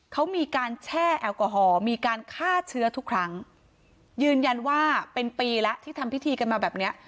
เขามีการแช่แอลกอฮอล์มีการฆ่าเชื้อทุกครั้งยืนยันว่าเป็นปีแล้วที่ทำพิธีกันมาแบบเนี้ย